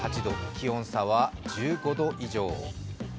気温差は１５度以上。